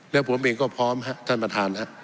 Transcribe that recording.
และผมเองก็พร้อมท่านประธาน